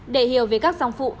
để hiểu về các dòng phụ